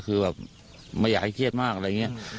คือแบบไม่อยากให้เครียดมากอะไรอย่างนี้